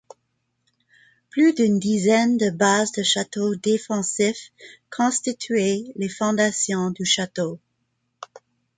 Plus d'une dizaine de bases de châteaux défensifs constituaient les fondations du château.